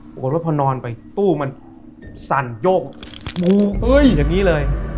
บอกว่าพอนอนไปตู้มันสั่นโยกมูอย่างนี้เลย